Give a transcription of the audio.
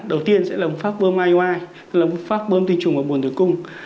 đầu tiên sẽ là phương pháp bơm iui tức là phương pháp bơm tinh trùng và bùn thử cung